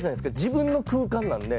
自分の空間なんで。